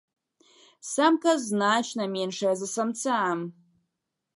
Самка значна меншая за самца.